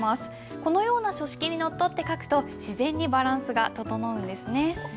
このような書式にのっとって書くと自然にバランスが整うんですね。